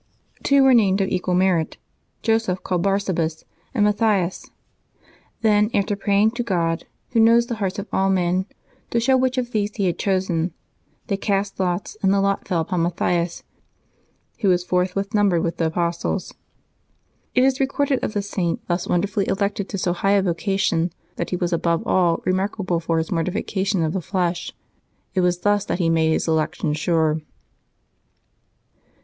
Two were named of equal merit, Joseph called Barsabas, and Matthias. Then, after praying to God, Who knows the hearts of all men, to show which of these He had chosen, they cast lots, and the lot fell upon Matthias, who was forthwith numbered with the apostles. It is recorded of the Saint, thus wonderfully SQ LIVES OF THE SAINTS [Februaby 25 elected to so high a vocation, that he was above all remark able for his mortification of the flesh. It was thus that he made his election sure.